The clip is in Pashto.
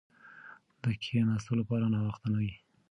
د کښېناستو لپاره ناوخته نه وي.